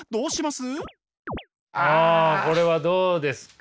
あこれはどうですか？